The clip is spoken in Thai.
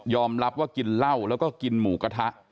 รับว่ากินเหล้าแล้วก็กินหมูกระทะ